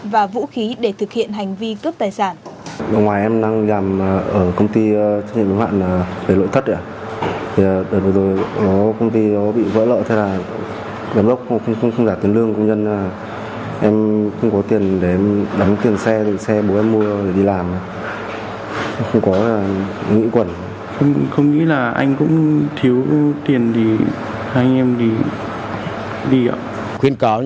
và vũ khí để thực hiện hành vi cướp tài sản